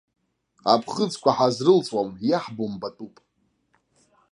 Аԥхыӡқәа ҳазрылҵуам, иаҳбо мбатәуп.